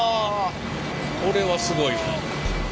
これはすごいわ。